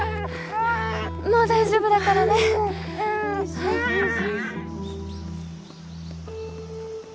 もう大丈夫だからねよしよし